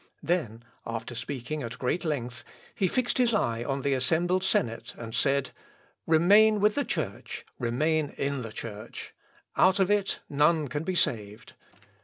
Then, after speaking at great length, he fixed his eye on the assembled senate, and said, "Remain with the Church, remain in the Church. Out of it none can be saved.